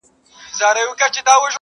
په لوی لاس ځانته کږې کړي سمي لاري،،!